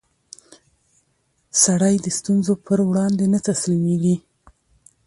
سړی د ستونزو پر وړاندې نه تسلیمېږي